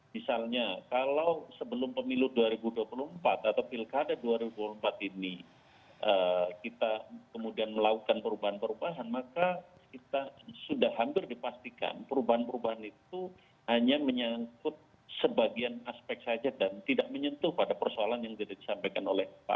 misalnya kalau sebelum pemilu dua ribu dua puluh empat atau pilkada dua ribu dua puluh empat ini kita kemudian melakukan perubahan perubahan maka kita sudah hampir dipastikan perubahan perubahan itu hanya menyangkut sebagian aspek saja dan tidak menyentuh pada persoalan yang disampaikan oleh pak